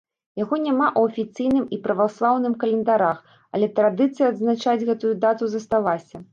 Яго няма ў афіцыйным і праваслаўным календарах, але традыцыя адзначаць гэту дату засталася.